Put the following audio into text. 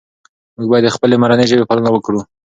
موږ باید د خپلې مورنۍ ژبې پالنه وکړو.